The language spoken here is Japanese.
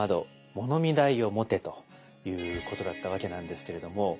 『物見台』を持て」ということだったわけなんですけれども。